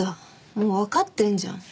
もうわかってんじゃん。